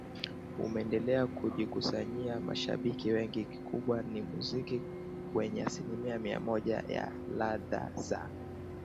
umeendelea kujikusanyia mashabiki wengi Kikubwa ni muziki wenye asilimia mia moja ya ladha za